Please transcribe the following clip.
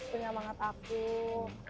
punya manget aku